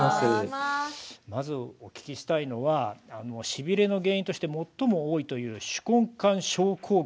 まずお聞きしたいのはしびれの原因として最も多いという手根管症候群。